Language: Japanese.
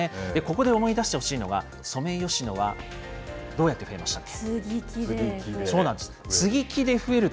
ここで思い出してほしいのが、ソメイヨシノはどうやって増えまし接ぎ木で増える。